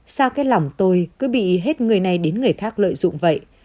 sao kết lòng tôi cứ bị hết người này đến người khác lợi dụng vậy